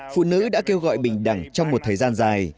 phụ nữ đã kêu gọi bình đẳng trong một thời gian dài